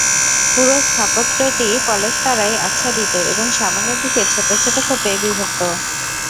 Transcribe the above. পুরো স্থাপত্যটি পলেস্তারায় আচ্ছাদিত এবং সামনের দিকে ছোট ছোট খোপে বিভক্ত।